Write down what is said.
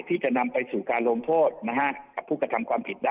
ที่จะนำไปสู่การลงโทษกับผู้กระทำความผิดได้